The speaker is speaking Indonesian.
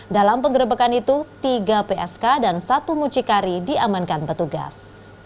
dalam penggerebekan itu tiga psk dan satu mucikari diamankan petugas